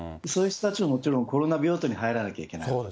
そういう人たちはもちろんコロナ病棟に入らなきゃいけない。